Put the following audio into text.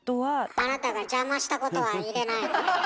あなたが邪魔したことは入れないの？